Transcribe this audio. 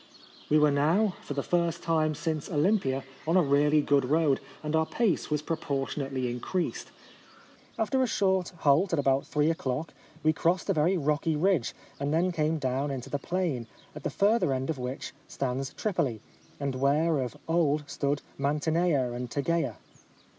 We were now, for the first time since Olympia, on a really good road, and our pace was proportion ately increased. After a short halt at about three o'clock, we crossed a very rocky ridge, and then came down into the plain, at the further end of which stands Tripoli, and where of old stood Mantinea and Tegea.